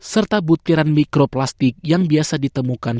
serta butiran mikroplastik yang biasa ditemukan